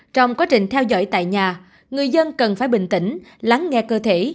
trong quá trình theo dõi tại nhà người dân cần phải bình tĩnh lắng nghe cơ thể